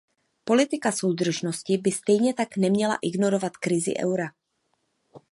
Politika soudržnosti by stejně tak neměla ignorovat krizi eura.